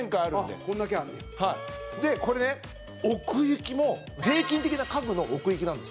土田：これね、奥行きも平均的な家具の奥行きなんです。